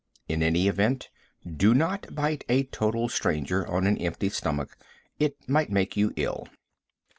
In any event, do not bite a total stranger on an empty stomach. It might make you ill.